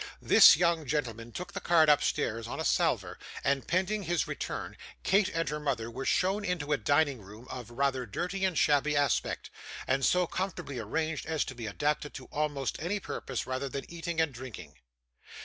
This young gentleman took the card upstairs on a salver, and pending his return, Kate and her mother were shown into a dining room of rather dirty and shabby aspect, and so comfortably arranged as to be adapted to almost any purpose rather than eating and drinking.